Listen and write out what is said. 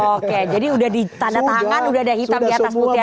oke jadi sudah di tanda tangan sudah ada hitam di atas putih aja masih bisa